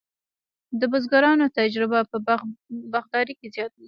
د بزګرانو تجربه په باغدارۍ کې زیاته ده.